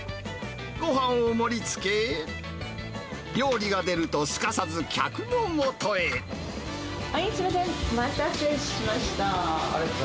ごはんを盛りつけ、料理が出るとはい、すみません、お待たせしました。